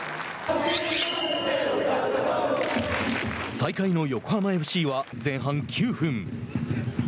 最下位の横浜ＦＣは、前半９分。